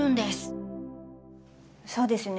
そうですよね